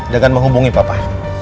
jangan menghubungi papa